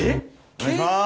お願いします